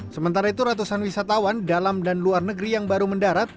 sementara itu ratusan wisatawan dalam dan luar negeri yang baru mendarat